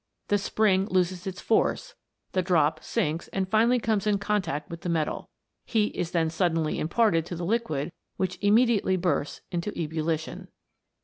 The spring loses its force, the drop sinks and finally comes in contact with the metal. Heat is then suddenly imparted to the liquid, which immediately bursts into ebullition."